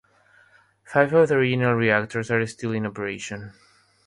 Five of the original reactors are still in operation.